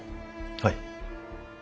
はい。